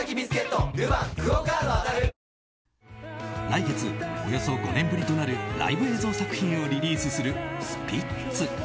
来月、およそ５年ぶりとなるライブ映像作品をリリースするスピッツ。